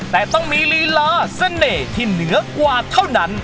แต่ต้องมีลีลาเสน่ห์ที่เหนือกว่าเท่านั้น